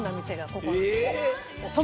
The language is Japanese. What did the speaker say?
ここ。